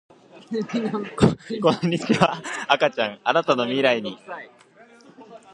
こんにちは赤ちゃんあなたの未来に